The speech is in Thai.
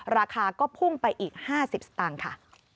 ราคาก็พุ่งไปอีก๕๐สตางค์ค่ะ